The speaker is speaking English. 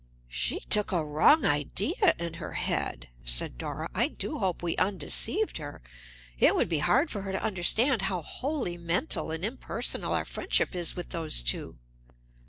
"She took a wrong idea in her head," said Dora. "I do hope we undeceived her. It would be hard for her to understand how wholly mental and impersonal our friendship is with those two."